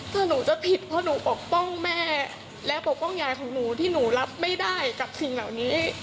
ถ้าหนูจะผิดเพราะหนูปกป้องแม่และปกป้องยายของหนูที่หนูรับไม่ได้กับสิ่งเหล่านี้